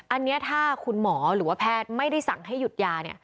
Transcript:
อันนี้ถ้าคุณหมอหรือว่าแพทย์ไม่ได้สั่งให้หยุดยา